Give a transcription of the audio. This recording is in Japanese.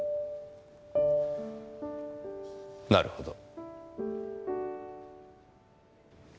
なるほど。